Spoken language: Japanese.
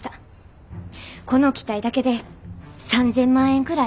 この機体だけで３，０００万円くらいかかっています。